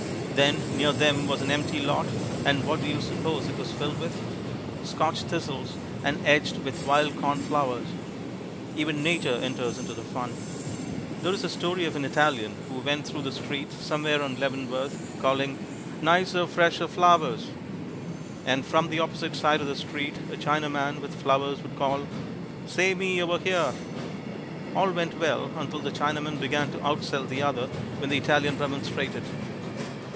Then near them was an empty lot and what do you suppose it was filled with? Scotch thistles, and edged with wild corn flowers. Even Nature enters into the fun. There is a story of an Italian who went through the streets somewhere on Leavenworth, calling, "Nica fresha flowers," and from the opposite side of the street a Chinaman with flowers would call, "Samee over here." All went well until the Chinaman began to outsell the other, when the Italian remonstrated.